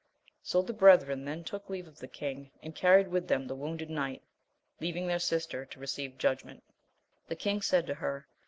So the brethren then took leave of the king, and carried with them the wounded knight, leaving their sister to receive judgment. The king said to her.